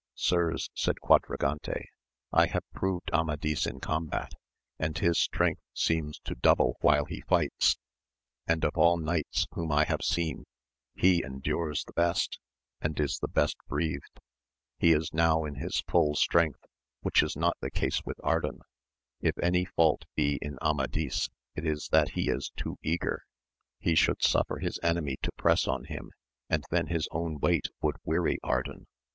Sirs, said Quadragante, I have proved Amadis in combat, and his strength seems to double while he fights, and of all knights whom I have seen he endures the best, and is the best breathed; he is now in his full strength, which is not the case with Ardan, if any fault be in Amadis it is that he is too eager : he should suffer his enemy to press on him, and then his own weight would weary Ardan.